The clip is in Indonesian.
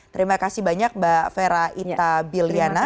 terima kasih banyak mbak fera ita biliana